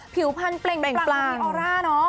ผิวพันธ์เปล่งปรังมีออร่าเนอะ